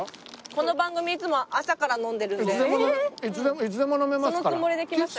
この番組いつも朝から飲んでるんでそのつもりで来ました。